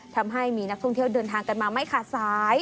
ทำให้มีนักท่องเที่ยวเดินทางกันมาไม่ขาดสาย